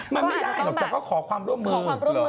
มันไม่ได้หรอกแต่ก็ขอความร่วมมือ